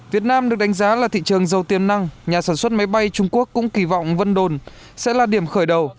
việt nam được đánh giá là thị trường giàu tiềm năng nhà sản xuất máy bay trung quốc cũng kỳ vọng vân đồn sẽ là điểm khởi đầu